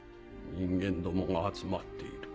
人間どもが集まっている。